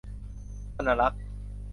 ธนรักษ์